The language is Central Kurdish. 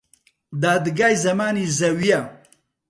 دادگای زەمانی زەویە